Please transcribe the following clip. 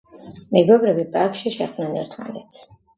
მეგობრები პარკში შეხვდნენ ერთმანეთს.